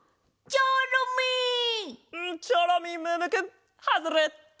チョロミームームーくんはずれっと。